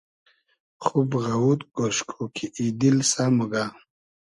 خوب غئوود گۉش کو کی ای دیل سۂ موگۂ